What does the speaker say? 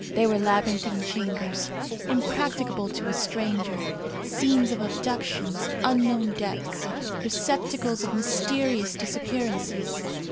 They were labyrinthine chambers, impracticable to a stranger; scenes of abductions; unknown depths, receptacles of mysterious disappearances.